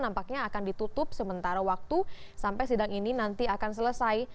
nampaknya akan ditutup sementara waktu sampai sidang ini nanti akan selesai